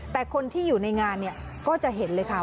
แต่คนที่อยู่ในงานเนี่ยก็จะเห็นเลยค่ะ